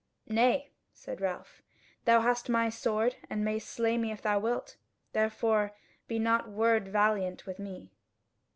"Nay," said Ralph, "thou hast my sword, and mayst slay me if thou wilt; therefore be not word valiant with me."